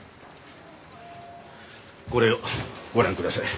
これをご覧ください。